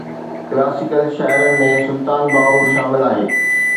classical شاعرن ۾ سلطان باهو به شامل آهي